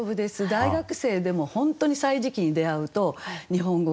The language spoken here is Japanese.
大学生でも本当に「歳時記」に出会うと日本語